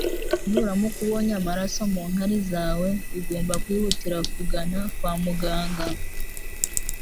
Nuramuka ubonye amaraso mu nkari zawe, ugomba kwihutira kugana kwa muganga